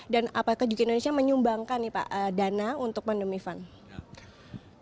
dan apakah juga indonesia menyumbangkan nih pak dana untuk pandemi fund